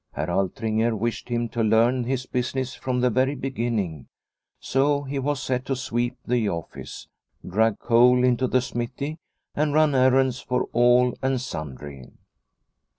Herr Altringer wished him to learn his business from the very beginning, so he was set to sweep the office, drag coal into the smithy, and run errands for all and sundry.